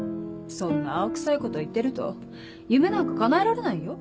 そんな青臭いこと言ってると夢なんかかなえられないよ。